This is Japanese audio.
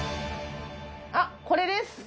あっこれです。